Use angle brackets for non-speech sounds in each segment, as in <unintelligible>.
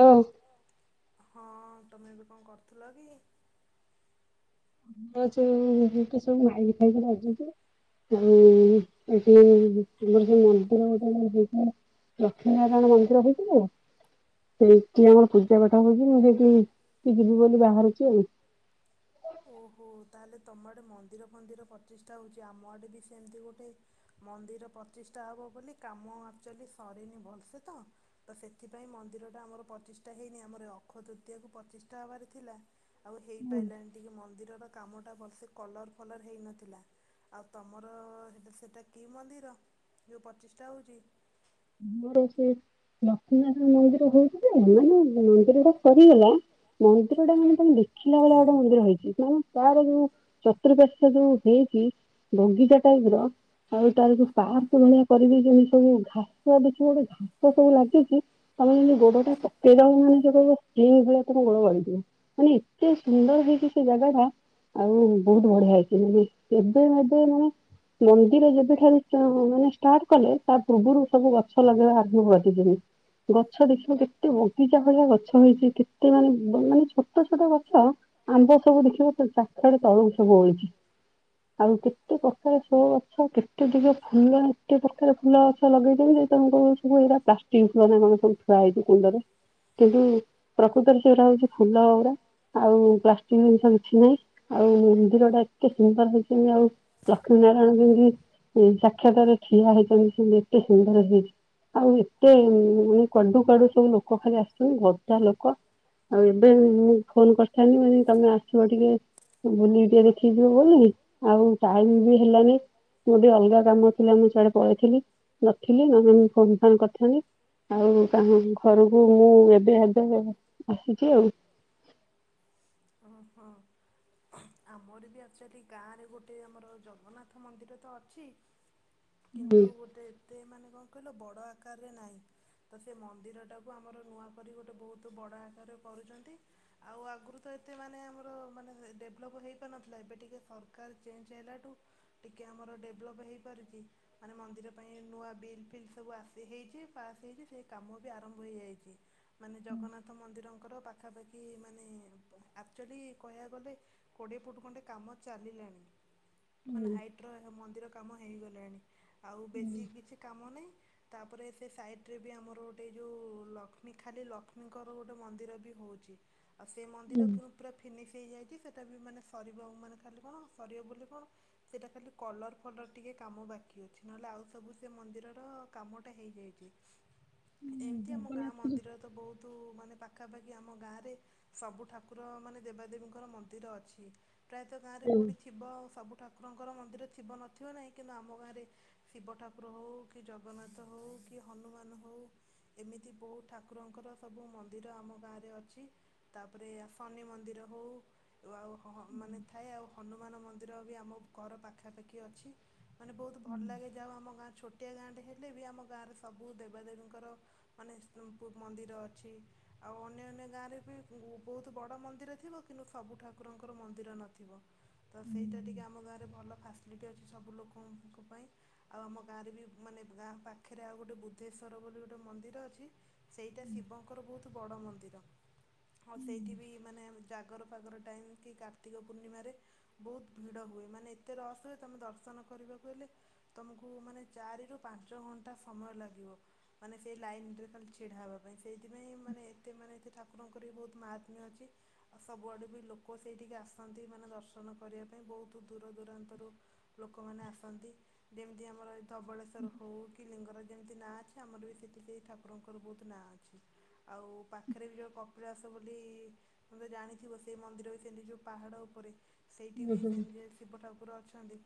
ହଁ ହଁ ତମେ ଏ ବି କଣ କରୁଥିଲ କି ସବୁ ମାଇକି ଖାଇକି ରାଜୁଛି ଆଉ ଏଠି ଆମର ଯୋଉ ମନ୍ଦିର ଗୋଟେ ଲକ୍ଷ୍ମୀ ନାରାୟଣ ମନ୍ଦିର ହେଇଥିଲା ସେଇଠି ଆମର ପୂଜା ପାଠ ହଉଛି ମୁଁ ସେକି ଯିବି ବୋଲି ବାହାରୁଛି ଆଉ ଓହୋ ତାହେଲେ ତୁମ ଆଡ଼େ ମନ୍ଦିର ଫନ୍ଦିର ପଚିଶଟା ହେଉଛି ଆମ ଆଡ଼େ ବି ସେମିତି ଗୋଟେ ମନ୍ଦିର ପଚିଶଟା ହେବ ବୋଲି କାମ ଆକ୍ଚୁଆଲି ସରିନି ଭଲସେ ତ ତ ସେଥିପାଇଁ ମନ୍ଦିରଟା ଆମର ପଚିଶଟା ହେଇନି ଆମର ଅକ୍ଷ ତୃତୀୟକୁ ପଚିଶଟା ହେବାର ଥିଲା ଆଉ ହେଇପାରିଲାଣିି। ଟିକେ ମନ୍ଦିରର କାମଟା ଭଲସେ କଲର୍ ଫଲର୍ ହେଇନଥିଲା ଆଉ ତମରଟ ସେଇଟା କି ମନ୍ଦିର ଯେଉଁ ପଚିଷ୍ଟା ହେଉଛି? ମୋର ସେ ଲକ୍ଷ୍ମୀନାାରଣ ମନ୍ଦିର ହଉଛି ମାନେ ମନ୍ଦିର ଗଟା ସରିଗଲା ମନ୍ଦିର ଟା ମାନେ ତମେ ଦେଖିଲା ଭଳିଆ ଗୋଟେ ମନ୍ଦିର ହେଇଛି ମାନେ ତାର ଯୋଉ ଚତୁଃପାର୍ଶ ଯୋଉ ହେଇଛି ବଗିଚା ପ ର ଆଉ ତ ସାର୍ ପୁରୁଣିଆ କରିବି ଯେମତି ସବୁ ହଁ ଗୋଟେ ଘାସ ସବୁ ଲାଗିଛି ତମେ ଯେମିତି ଗୋଡ ଟା ପକେଇଦ ମାନେ ସ୍ତ୍ରୀ ଭଳିଆ ତମ ଗୋଡ ଗଦିବ ମାନେ ଏତେ ସୁନ୍ଦର ହେଇଛି ସେ ଜାଗା ଟା ଆଉ ବହୁତ ବଢିଆ ହେଇଛି ମାନେ ଏବେ ଏବେ ମାନେ ମନ୍ଦିର ଯେବେଠାରୁ ମାନେ ଷ୍ଟାର୍ଟ କଲେ ତା ପୂର୍ବରୁ ସବୁ ଗଛ ଲଗେଇବା ଆରମ୍ଭ କରି ଯେମି ଗଛ ଦେଖିବା କେତେ ବଗିଚା ଭଳିଆ ଗଛ ହେଇଛି କେତେ ମାନେ ମାନେ ଛୋଟ ଛୋଟ ଗଛ ଆମ୍ବ ସବୁ ଦେଖିବ ଚାଖଡ ତଳୁକୁ ସବୁ ଅଛି ଆଉ କେତେ ପ୍ରକାର ସ ଗଛ କେତେ ଦିକ ଫୁଲ କେତେ ପ୍ରକାର ଫୁଲ ଗଛ ଲଗେଇ ସବୁ ଏଇା ପ୍ଲାଷ୍ଟିକ ଛୁଆ ନା କଣ ସବୁ ଛୁଆ ହେଇଛି କୁଣ୍ଡରେ କିନ୍ତୁ ପ୍ରକୃତରେ ସେଟା ହଉଛି ଫୁଲ ଗା ଆଉ ପ୍ଲାଷ୍ଟିକ ଜିନିଷ କିଛି ନାହିଁ ଆଉ ମନ୍ଦିର ଟା ଏତେ ସୁନ୍ଦର ହେଇଛନ୍ତି ଆଉ ଲକ୍ଷ୍ମୀ ନାରାୟଣ ଯେମିତି ସାକ୍ଷାତରେ ଠିଆ ହେଇଛନ୍ତି ସେମିତି ଏତେ ସୁନ୍ଦର ହେଇଛି ଆଉ ଏତେ ମାନ କାଡୁ କାଡୁ ସବୁ ଲୋକ ଖାଲି ଆସିଛନ୍ତି ଭଟା ଲୋକ ଆଉ ଏବେ ମୁଁ ଫୋନ କରିଥିଲ। ତମେ ଆସିବ ଟିକେ ବୁଲିକି ଟିକେ ଦେଖିକି ମୁ ବି ଆଉ କା ବି ହେଲାନି ମୋ ବି ଅଲଗା କାମ ଥିଲା ମୁଁ ସେୁଆଡେ ପଳେଇଥିଲି। ନଥିଲି ନହେଲେ ମୁ ଫୋନ ଫନ୍ କରିଥାନ୍ତି ଆଉ କ ଘରକୁ ମୁଁ ଏବେ ଆବେ ଆସିଛି ଆଉ ଆମର ବି ଆସଛ ଗାଁ ରେ ଗୋଟେ ଆମର ଜଗନ୍ନାଥ ମନ୍ଦିର ତ ଅଛି କିନ୍ତୁ ଗୋଟେ ଏତେ ମାନେ କଣ କହିଲ ବଡ଼ ଆକାରରେ ନାହିଁ ତ ସେ ମନ୍ଦିରଟାକୁ ଆମର ନୂଆ କରି ଗୋଟେ ବହୁତ ବଡ଼ ଆକାରରେ କରୁଛନ୍ତି ଆଉ ଆଗରୁ ତ ଏତେ ମାନେ ଆମର ମାନେ ଡେଭଲପ୍ ହେଇପାରୁନଥିଲା ଏବେ ଟିକେ ସରକାର ଚେଞ୍ଜ ହେଲାଠୁ ଟିକେ ଆମର ଡେଭଲପ୍ ହେଇପାରୁଛି ମାନେ ମନ୍ଦିର ପାଇଁ ନୂଆ ବିଲ୍ ଫିଲ୍ ସବୁ ଆସି ହେଇଛି ପାସ୍ ହେଇଛି ସେ କାମ ବି ଆରମ୍ଭ ହୋଇଯାଇଛି। ମାନେ ଜଗନ୍ନାଥ ମନ୍ଦିରଙ୍କର ପା ପାଖାପାଖି ମାନେ ଆଚୁଲି କହିବାକୁ ଗଲେ କୋଡିଏ ଫୁଟ୍ ଖଣ୍ଟେ କାମ ଚାଲି ଲେଣି। ମାନେ ସାଇଟ୍ ର ହେ ମନ୍ଦିର କାମ ହେଇଗଲାଣି। ଆଉ ବେଶୀ କିଛି କାମ ନାହିଁ। ତାପରେ ସେ ସାଇଟ୍ ରେ ବି ଆମର ଗୋଟେ ଯୋଉ ଲକ୍ଷ୍ମୀ ଖାଲି ଲକ୍ଷ୍ମୀଙ୍କର ଗୋଟେ ମନ୍ଦିର ବି ହଉଛି। ଆଉ ସେ ମନ୍ଦିର ପୁରା ପୁରିବି ଫିନିଶ ହେଇଯାଇଛି ସେଇଟା ବି ମାନେ ସରିବ ଉ ମାନେ ଖାଲି କଣ ସରିବ ବୁଲ କ ସେଟା ଖାଲି କଲର ଫଲର ଟିକେ କାମ ବାକି ଅଛି ନହେଲେ ଆଉ ସବୁ ସେ ମନ୍ଦିରର କାମଟା ହେଇଯାଇଛି। ଏମିତି ଆମ ଗାଁ ମନ୍ଦିର ତ ବହୁତ କିୁ ମାନେ ପାଖାପାଖି ଆମ ଗାଁରେ ସବୁ ଠାକୁର ମାନେ ଦେବାଦେବୀଙ୍କର ମନ୍ଦିର ଅଛି ପ୍ରାୟ ଅନ୍ୟ ଗାଁରେ କୋଉଠି ଥିବ ଆଉ ସବୁ ଠାକୁରଙ୍କର ମନ୍ଦିର ଥିବ ନଥିବ ନାଇଁ କିନ୍ତୁ ଆମ ଗାଁରେ ଶିବ ଠାକୁର ହେଉ କି ଜଗନ୍ନାଥ ହଉ କି ହନୁମାନ ହଉ ଏମିତି ବହୁତ ଠାକୁରଙ୍କର ସବୁ ମନ୍ଦିର ଆମ ଗାଁରେ ଅଛି ତାପରେ ଶନି ମନ୍ଦିର ହଉ ଆଉ ହଁ ଅ ମାନେ ଆଉ ହନୁମାନ ମନ୍ଦିର ବି ଆମ ଘର ପାଖାପାଖି ଅଛି। ମାନେ ବହୁତ ଭଲ ଲାଗେ ଯାହୋଉ ଆମ ଗାଁ ଛୋ ଛୋଟିଆ ଗାଁ ଟେ ହେଲେ ବି ଆମ ଗାଁରେ ସବୁ ଦେବାଦେବୀଙ୍କର ମାନେ ମନ୍ଦିର ଅଛି ଆଉ ଅନ୍ୟ ଅନ୍ୟ ଗାଁରେ ବି ବହୁତ ବଡ଼ ମନ୍ଦିର ଥିବ କିନ୍ତୁ ସବୁ ଠାକୁରଙ୍କର ମନ୍ଦିର ନ ଥିବ। ତ ସେଇଟା ଟିକେ ଆମ ଗାଁରେ ଭଲ ଫା ଏମିତି ଅଛି ସବୁ ଲୋକଙ୍କ ପାଇଁ ଆଉ ଆମ ଗାଁରେ ବି ମାନେ ଗାଁ ପାଖରେ ଆଉ ଗୋଟେ ବୁଦ୍ଧେଶ୍ଵର ବୋଲି ଗୋଟେ ମନ୍ଦିର ଅଛି। ସେଇଟା ଶିବଙ୍କର ବହୁତ ବଡ଼ ମନ୍ଦିର। ଆଉ ସେଇଠି ବି ମାନେ ଯା ଜାଗର ଫାଗର ଟାଇମ୍ କି କାର୍ତ୍ତିକ ପୂର୍ଣ୍ଣିମାରେ ବହୁତ ଭିଡ଼ ହୁଏ ମାନେ ଏତେ ରସ ହୁଏ ତୁମେ ଦର୍ଶନ କରିବାକୁ ହେଲେ ତୁମକୁ ମାନେ ଚାରି ରୁ ପାଞ୍ଚ ଘଣ୍ଟା ସମୟ ଲାଗିବ ମାନେ ସେଇ ଲାଇନ୍ ରେ ଖାଲି ଛିଡ଼ା ହେବା ପାଇଁ। ସେଇଥିପାଇଁ ମାନେ ଏତ ମାନେ ଠା ଠାକୁରଙ୍କର ବି ବହୁତ ମହାତ୍ମ୍ୟ ଅଛି ଆଉ ସବୁଆଡେ ବି ଲୋକ ସେଇଠିକି ଆସ ରୁହନ୍ତି ମାନେ ଦର୍ଶନ କରିବା ପାଇଁ ବହୁତ ଦୂର ଦୂରାନ୍ତରୁ ଲୋକମାନେ ଆସନ୍ତି ଯେମିତି ଆମର ଧବଳେଶ୍ୱର ହଉ କି ଲିଙ୍ଗରାଜ ଯେମିତି ନାଁ ଅଛି ଆମର ବି ସେଠି ସେ ଠାକୁରଙ୍କର ବହୁତ ନାଁ ଅଛି ଆଉ ପାଖରେ ବି ଯେଉଁ କପିଳାସ ବୋଲି ତମେ ତ ଜାଣିଥିବ ସେଇ ମନ୍ଦିର ବି ସେମିତି ଯେଉଁ ପାହାଡ଼ ଉପରେ ସେଇଠି ବି ସେମିତି ଶିବ ଠାକୁର ଅଛ ଥାଆନ୍ତି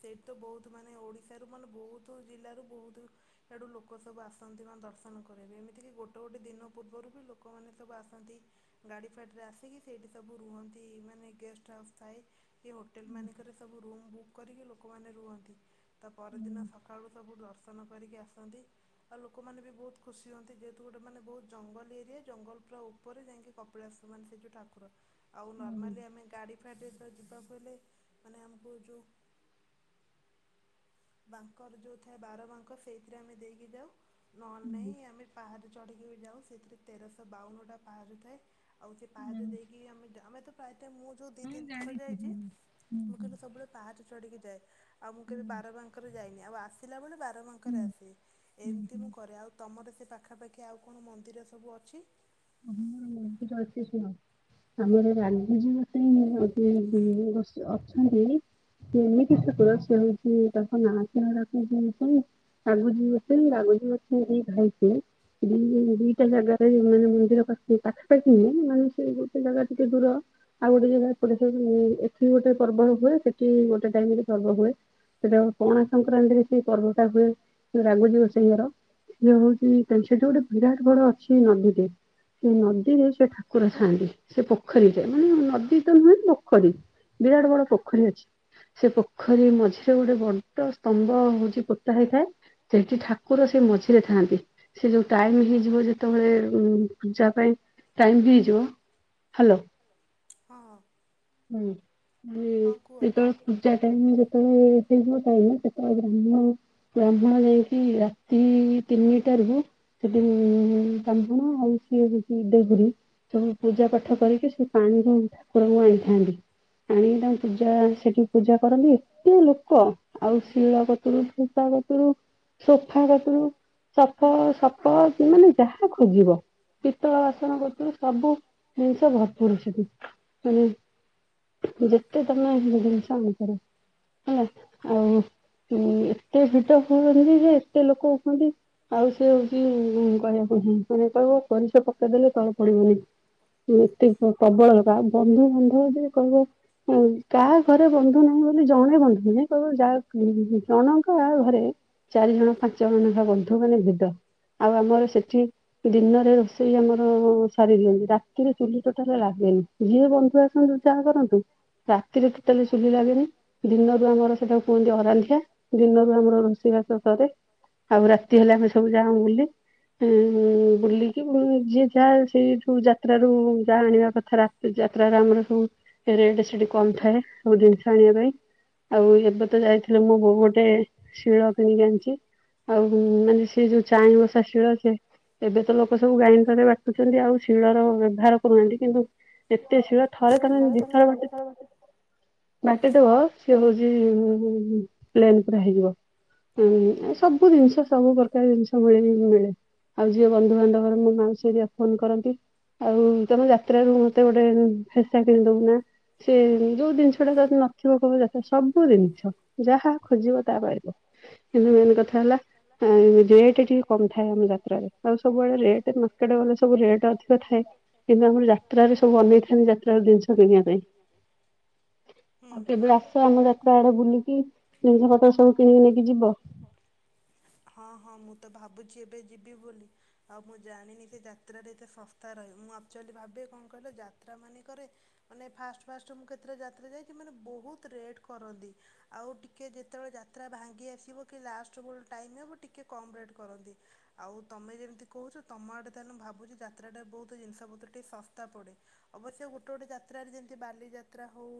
ସେଇଠି ତ ବହୁତ ମାନେ ଓଡ଼ିଶାରୁ ମାନେ ବହୁତ ଜିଲ୍ଲାରୁ ବହୁତ ଆଡ଼ୁ ଲୋକ ସବୁ ଆସନ୍ତି ମାନେ ଦର୍ଶନ କରାଇବେ ଏମିତିକି ଗୋଟେ ଗୋଟିେ ଦିନ ପୂର୍ବରୁ ବି ଲୋକମାନେ ସବୁ ଆସନ୍ତି ଗାଡ଼ି ଫାଟରେ ଆସିକି ସେଇଠି ସବୁ ରୁହନ୍ତି ଇ ମାନେ ଗେଷ୍ଟ ହାଉସ୍ ଥାଏ। କି ହୋଟେଲ୍ ମାନଙ୍କରେ ସବୁ ରୁମ୍ ବୁକ୍ କରିକି ଲୋକମାନେ ରୁହନ୍ତି। ତା ପରଦିନ ସକାଳୁ ସବୁ ଦର୍ଶନ କରିକି ଆସନ୍ତି ଆଉ ଲୋକମାନେ ବି ବହୁତ ଖୁସି ହୁଅନ୍ତି ଯେହେତୁ ଗୋଟେ ମାନେ ବହୁତ ଜଙ୍ଗଲ ଏରିଆ ଜଙ୍ଗଲ ପୁରା ଉପରେ ଯାଇକି କପିଳା ଆସୁ ମାନେ ସେ ଯୋଉ ଠାକୁର ଆଉ ନର୍ମାଲି ଆମେ ଗାଡି ଯିବାକୁ ହେଲେ ମନେ ଆମକୁ ଯୋଉ ବାଙ୍କର ଯୋଉ ଥାଏ ବାର ବାଙ୍କ ସେଇଥିରେ ଆମେ ଦେଇକି ଯାଉ। ନ ନାଇଁ ଆମେ ପାହାଚ ଚଢିକି ଯାଉ ସେଥିରେ ତେରଶହ ବାଉନ ଟା ପାହାଚ ଥାଏ। ଆଉ ସେ ପାହାଚ ଦେଇକି ଆମେ ଆମେ ତ ମୁଁ ଯୋଉ ଦି ତିନି ଥର ଯାଇଛି ମୁଁ କହିଲି ସବୁବେଳେ ପାହ ଚଢିକି ଯାଏ ଆଉ ମୁଁ କେ ବାରଙ୍କ ଯାଇି ଆଉ ଆସିଲା ବଳେ ବାର ମାଙ୍କରେ ଆସେ ଏମତି ମୁଁ କରେ ଆଉ ତମର ପାଖାପାଖି ଆଉ କଣ ମନ୍ଦିର ସବୁ ଅଛି? ର ମନ୍ଦିର ଅଛି ଶୁଣ ଆମର ରାଗୁଜିବ ପାଇଁ ଅଛନ୍ତି ସେ ଏମିତି ଠାକୁର ସେ ହଉଛି ତାଙ୍କ ନାଁ ରାଗୁସ ରାଗୁ ପାଇଁ ଯ ଭାଇଥିଲେ ଦ ଦିଟା ଜାଗାରେ ମାନେ ପାଖାପାଖି ହୁଏଁ ମାନେ ସେ ଗୋଟେ ଜାଗା ଟିକେ ଦୂର ଆଉ ଗୋଟେ ଜାଗା ପ ଏଠି ଗୋଟେ ପର୍ବ ହୁଏ ସେଠି ଗୋଟେ ଟାଇମରେ ପର୍ବ ପଡ଼େ ସେଟା ପଣା ସଂକ୍ରାନ୍ତିରେ ସେ ପର୍ବଟା ହୁଏ ରାଗୁ ଯିବ ସେ ଘର ଏ ହଉଛି ସେଠି ଗୋଟେ ବିରାଟ ବଡ ଅଛି ନଦୀଟ ସେ ନଦୀରେ ସେ ଠାକୁର ଥାଆନ୍ତି ସେ ପୋଖରୀରେ ମାନେ ନଦୀ ତ ନୁହେଁ ପୋଖରୀ ବିରାଟ ବଡ ପୋଖରୀ ଅଛି ସେ ପୋଖରୀ ମଝିରେ ଗୋଟେ ବଡ ସ୍ତମ୍ଭ ହଉଛି ପୋତା ହେଇଥାଏ ସେଠି ଠାକୁର ସେ ମଝିରେ ଥାଆନ୍ତି ସେ ଯୋଉ ଟାଇମ ହେଇଯିବ ଯେତେବେଳେ ଉ ଯା ପାଇଁ ଟାଇମ୍ ବିଯିବ ହ୍ୟାଲୋ ହୁ ସେତେବେଳେ ପୂଜା ଟାଇମ ଳେ ସେଇଯୁ ଟାଇମ ସେତେବେଳେ ବ୍ରାହ୍ମଣ ବ୍ରାହ୍ମଣ ଯାଇଛି ରାତି ତିନିଟାରୁ ସେଠି ବ୍ରାହ୍ମଣ ଆଉ ଦେହୁରି ସବୁ ପୂଜା ପାଠ କରିକି ସେ ପାଣିରୁ ଠାକୁରଙ୍କୁ ଆଣିଥାନ୍ତି। ଆଣିକି ତାଙ୍କୁ ପୂଜା ସେଠି ପୂଜା କରନ୍ତି ଏତେ ଲୋକ କହ ଆଉ ଶିଳ କତରୁ ସୋଫା କତରୁ ସୋଫା କତରୁ ସଫ ସଫ ମାନେ ଯାହା ଖୋଜିବ ପିତତଳ ବାସନ କତରୁ ସବୁ ଜିନିଷ ଭରପୁରଛନ୍ତି ମାନେ ଯେତେ ତମେ ଜିନିଷ ଆଣିପାରିବ ହେଲା। ଆଉ ଏତେ ଭିଡ କହୁଛନ୍ତି ଯେ ଏତେ ଲୋକ ହଛନ୍ତି ଆଉ ସେ ହଉଛି କହିବାକୁ ନାଁ ମାନେ କହିବ ପରିସ ପକେଇଦେଲେ ତଳେ ପଡିବନି ଏତେ ପ୍ରବଳ ହେ ବନ୍ଧୁ ବାନ୍ଧବ ଯେ କହିବ କାହା ଘରେ ବନ୍ଧୁ ନାହିଁ ବୋଲି ଜଣେ ବନ୍ଧୁ କହିବ ଯା ଜଣଙ୍କା ଘ ଚାରି ଜଣ ପାଞ୍ଚ ଜଣ ନେଖା ବନ୍ଧୁ ମାନେ ଭେଦା ଆଉ ଆମର ସେଠି ଦିନରେ ଏଇ ଆମର ସାରି ଦିଅନ୍ତି ରାତିରେ ଚୁଲି ଟୋଟାଲି ଲାଗେନି ଯିଏ ବନ୍ଧୁ ଆସନ୍ତୁ ଯାହା କରନ୍ତୁ ରାତିରେ ଟୋଟାଲି ଚୁଲି ଲାଗେନି ଦିନରୁ ଆମର ସେଟାକୁ କୁହନ୍ତି ଅରାନ୍ଧିଆ ଦିନରୁ ରୋଷେଇ ବାସ ସରେ ଆଉ ରାତି ହେଲେ ଆମେ ସବୁ ଯାଉ ବୁଲି <unintelligible> ବୁଲି ଯିଏ ଯାହା ସେଇ ଯଉ ଯାତ୍ରାରୁୁ ଯାହା ଆଣିବା କଥା ରାତି ଯାତ୍ର ରେ ଆମର ସବୁ ରେଟ ସେଠି କମ ଥାଏ ସବୁ ଜିନିଷ ଆଣିବା ପାଇଁ ଆଉ ଏବେ ତ ଯାଇଥିଲେ ମୋ ବୋଉ ଗୋଟେ ଶିଳ କିଣିକି ଆଣିଛି ଆଉ ମାନେ ସେ ଯୋଉ ଚାଇଁ ବସା ଶିଳ ସେ ଏବେ ତ ଲୋ ସବୁ ଗ୍ରାଇନଡର ରେ ବାଟୁଛନ୍ତି ଆଉ ଶିଳର ବ୍ୟବହାର କରୁନାହାନ୍ତି କିନ୍ତୁ ଏତେ ଶିଳ ଥରେ ତମେ ଦିଥର ବାଟ ବାଟି ଦେବ ସେ ପ୍ଲେନ୍ ପୁରା ହେଇଯିବ ହମ ସବୁ ଜିନିଷ ସବୁ ପ୍ରକାର ଜିନିଷ ମିଳେ ଆଉ ଯିଏ ବନ୍ଧୁବାନ୍ଧବ ମୋ ମାଉସି ଘରିକା ଫୋନ୍ କରନ୍ତି ଆଉ ତମେ ଯାତ୍ରାରୁ ମତେ ଗୋଟେ ଫେସା କିଣିଦବୁ ନା ସେ ଯୋଉ ଜିନିଷ ଟା ଯଦି ନଥିବ କହିବ ଯାତ୍ରା ସବୁ ଜିନିଷ ଯାହା ଖୋଜିବ ତାହା ପାଇବ କିନ୍ତୁ ମେନ୍ କଥା ହେଲା ରେଟ ଟିକେ କମ ଥାଏ ଆମ ଯାତ୍ରାରେ ଆଉ ସବୁଆଡେ ରେଟ ମାର୍କେଟ୍ ଗଲେ ସବୁ ରେଟ୍ ଅଧିକ ଥାଏ କିନ୍ତୁ ଆମର ଯାତ୍ରାରେ ସବୁ ଅନେଇଥାନ୍ତି ଯାତ୍ରାର ଜିନିଷ କିଣିବା ପାଇଁ। ହୁଁ ହୁଁ <inaudible> ହଁ ହଁ ମୁଁ ତ ଭାବୁଛି ଏବେ ଯିବି ବୋଲି ଆଉ ମୁଁ ଜାଣିନି ଯେ ଯାତ୍ରାରେ ଏତେ ଶସ୍ତା ରହେ ମୁଁ ଆକ୍ଚୁଆଲି ଭାବେ କଣ କହିଲ ଯାତ୍ରା ମାନଙ୍କରେ ମାନେ ଫାଷ୍ଟ ଫାଷ୍ଟ ମୁଁ କେତେଟା ଯାତ୍ରା ଯାଇଛି ମାନେ ବହୁତ ରେଟ୍ କରନ୍ତି ଆଉ ଟିକେ ଯେତେବେଳେ ଯାତ୍ରା ଭାଙ୍ଗି ଆସିବ କି ଲାଷ୍ଟ ବେଳେ ଟାଇମ୍ ହେବ ଟିକେ କମ୍ ରେଟ୍ କରନ୍ତି ଆଉ ତମେ ଯେମିତି କହୁଛ ତମ ଆଡେ ତାହେଲେ ଭାବୁଛି ଯାତ୍ରାଟା ବହୁତ ଜିନିଷ ପତ୍ର ଟିକେ ଶସ୍ତା ପଡ଼େ ଅବଶ୍ୟ ଗୋଟେ ଗୋଟେ ଯାତ୍ରାରେ ଯେ ବାଲିଯାତ୍ରା ହେଉ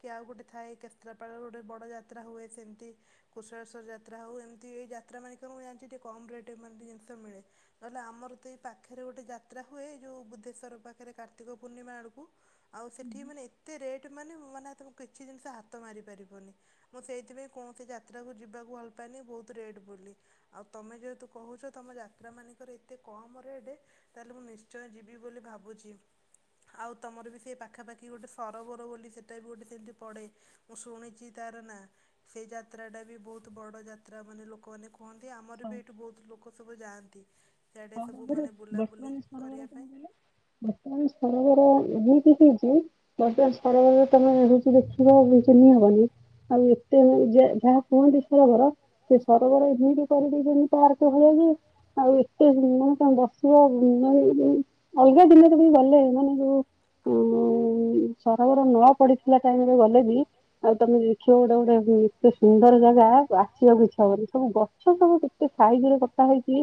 କି ଆଉ ଗୋଟେ ଥାଏ କେତ୍ରାପାଳରେ ଗୋଟେ ବଡ଼ ଯାତ୍ରା ହୁଏ ସେମିତି କୁଶଳେଶ୍ବର ଯାତ୍ରା ହେଉ ଏମିତି ଏଇ ଯାତ୍ରାମାନଙ୍କେ ମୁଁ ଜାଣିଛି ଟିକେ କମ୍ ରେଟ୍ ଏ ଜିନିଷ ମିଳେ ନହେଲେ ଆମର ତ ଏଇ ପାଖରେ ଗୋଟେ ଯାତ୍ରା ହୁଏ ଯେଉଁ ବୁଦ୍ଧେଶ୍ୱର ପାଖରେ କାର୍ତ୍ତିକ ପୂର୍ଣ୍ଣିମା ଆଡକୁ ଆଉ ସେ ଏଠି ମାନେ ଏତେ ରେଟ୍ ମାନେ ମାନେ ତମେ କିଛି ଜିନିଷ ହାତ ମାରିପାରିବନି ମୁଁ ସେଇଥିପାଇଁ କୌଣସି ଯାତ୍ରାକୁ ଯିବାକୁ ଭଲପାଏନି ବହୁତ ରେଟ୍ ବୋଲି ଆଉ ତମେ ଯେହେତୁ କହୁଛ ତମ ଯାତ୍ରା ମାନକରେ ଏତେ କମ ରେଟ୍ ତାହାଲେ ମୁଁ ନିଶ୍ଚୟ ଯିବି ବୋଲି ଭାବୁଛି ଆଉ ତମର ବି ସେ ପାଖାପାଖି କି ଗୋଟେ ସରୋବର ବୋଲି ସେଇଟା ବି ଗୋଟେ ସେମିତି ପଡ଼େ ମୁଁ ଶୁଣିଛି ତାର ନା ସେ ଯାତ୍ରାଟା ବି ବହୁତ ବଡ଼ ଯାତ୍ରା ମାନେ ଲୋକମାନେ କୁ କୁହନ୍ତି ଆମର ବି ଏଇଠୁ ବହୁତ ଲୋକ ସବୁ ଯାଆ ନ୍ତି ହଁ ତାପରେ ବର୍ତ୍ତମାନ ସରୋବର କଣ କହିଲେ ବର୍ତ୍ତମାନ ସରବର ଏମିତି ହେଇଛି ବର୍ତ୍ତମାନ ସରୋବର ତମେ ହଉଛି ଦେଖିବ ଚିହ୍ନି ହବନି ଆଉ ଏତେ ଯା-ଯାହା କୁହନ୍ତି ସରୋବର ସେ ସରୋବର ଏମିତି କରିଦେଇଛନ୍ତି ପାର୍ ହ ଯେ ଆଉ <unintelligible> ବସିବ <unintelligible> ଅଲଗା ଦିନରେ ବି ଗଲେ ମାନେ ଯୋଉ ଉଁ ସରୋବର ନୂଆ ପଡିଥିଲା ଟାଇମରେ ଗଲେ ବି ଆଉ ତମେ ଦେଖିବ ଗୋଟେ ଗୋଟେ ଏତେ ସୁନ୍ଦର ଜାଗା ଆସିବାକୁ ଇଚ୍ଛା ହବନି ସବୁ ଗଛ ସବୁ କେତେ ସାଇଜ ରେ କଟା ହେଇଛି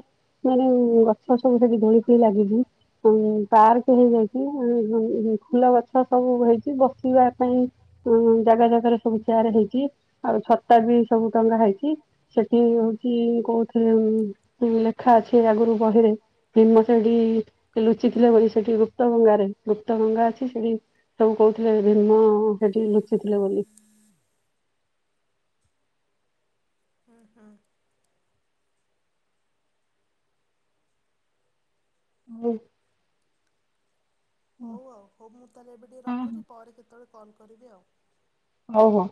ଗଛ ସବୁ ସେଠି ଧୋଳିିକି ଲାଗିଛି ଆ ପାର୍କ ହେଇଯାଇଛି ଫୁଲ ଗଛ ସବୁ ହେଇଛି ବସିବା ପାଇଁ ଜାଗା ଜାଗାରେ ସବୁ ଚେୟାର ହେଇଛି ଆଉ ଛତା ବି ସବୁ ଟଙ୍ଗା ହେଇଛି ସେଠି ହଉଛି କୋଉଥିଲେ। ଅଛି ଆଗରୁ ବହିରେ ଭୀମ ସେଠି ଲୁ ଲୁଚିଥିଲେ ବୋଲି ସେଠି ଗୁପ୍ତ ଗଙ୍ଗାରେ ଗୁପ୍ତ ଗଙ୍ଗା ଅଛି ସେଠି ସବୁ କହୁଥିଲେ ଭୀମ ସେଠି ଲୁଚିଥିଲେ ବୋଲି। ହୁ ହୁଁ ହୁଁ ହଉ ଆଉ ହଉ ମୁଁ ତାହେଲେ ଏବେ ଟିକେ ରଖୁଛି ପରେ କେତେବେଳେ କଲ୍ କରିବି ଆଉ ହଉ ହଉ